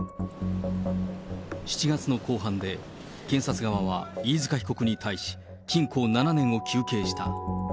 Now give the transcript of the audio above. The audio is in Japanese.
７月の公判で、検察側は飯塚被告に対し、禁錮７年を求刑した。